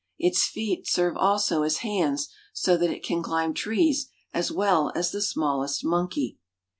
Its feet serve also as hands, } that it can climb trees as well as the smallest monkey.